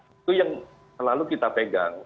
itu yang selalu kita pegang